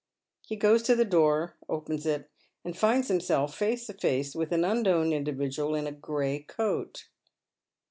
He goes to the door, opens it, and finds himself face to face with an unknown individual in a gray coat.